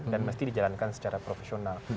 dan mesti dijalankan secara profesional